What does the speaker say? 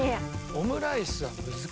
オムライスは難しいから。